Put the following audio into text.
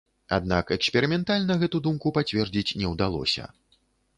Аднак эксперыментальна гэту думку пацвердзіць не ўдалося.